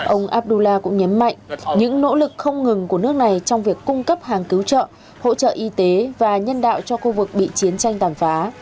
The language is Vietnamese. ông abdullah cũng nhấn mạnh những nỗ lực không ngừng của nước này trong việc cung cấp hàng cứu trợ hỗ trợ y tế và nhân đạo cho khu vực bị chiến tranh tàn phá